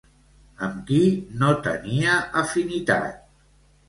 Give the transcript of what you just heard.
Amb qui no tenia afinitat?